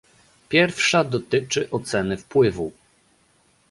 Pierwsza dotyczy oceny wpływu